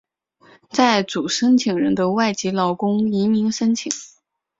在主申请人的外籍劳工移民申请。